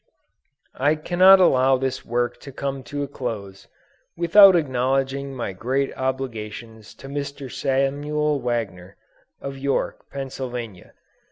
I cannot allow this work to come to a close, without acknowledging my great obligations to Mr. Samuel Wagner, of York, Pennsylvania.